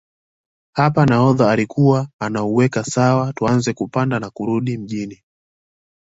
Hapo nahodha alikuwa anauweka sawa tuanze kupanda na kurudi Mjini